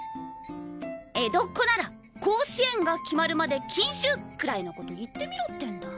江戸っ子なら「甲子園が決まるまで禁酒！」くらいのこと言ってみろってんだ。